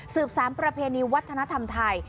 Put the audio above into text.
สามประเพณีวัฒนธรรมไทย